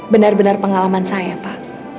benar benar pengalaman saya pak